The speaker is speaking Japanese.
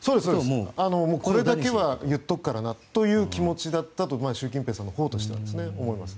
これだけは言っておくからなという気持ちだったと習近平さんのほうとしては思います。